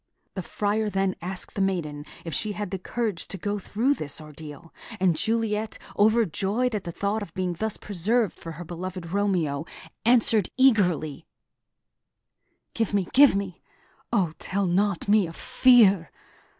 The Friar then asked the maiden if she had the courage to go through this ordeal; and Juliet, overjoyed at the thought of being thus preserved for her beloved Romeo, answered eagerly: "Give me, give me! O tell not me of fear!